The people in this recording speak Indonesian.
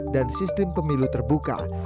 dan sistem pemilu terbuka